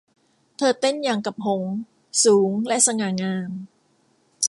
เธอเต้นอย่างกับหงส์ สูงและสง่างาม